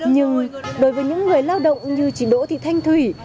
nhưng đối với những người lao động như chị đỗ thị thanh thủy